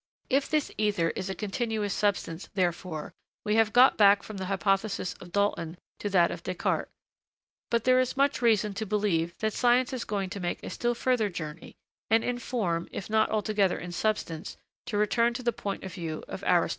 If this ether is a continuous substance, therefore, we have got back from the hypothesis of Dalton to that of Descartes. But there is much reason to believe that science is going to make a still further journey, and, in form, if not altogether in substance, to return to the point of view of Aristotle.